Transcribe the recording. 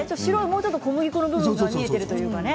もうちょっと小麦粉の部分が見えているというかね。